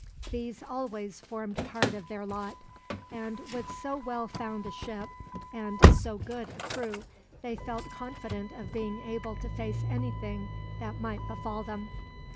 These always formed part of their lot; and with so well found a ship, and so good a crew, they felt confident of being able to face anything that might befall them.